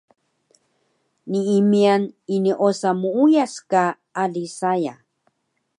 Nii miyan ini osa muuyas ka ali saya